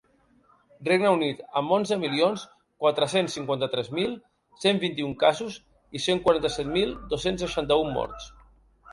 Regne Unit, amb onze milions quatre-cents cinquanta-tres mil cent vint-i-un casos i cent quaranta-set mil dos-cents seixanta-un morts.